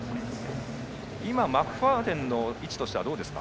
今、マクファーデンの位置どうですか。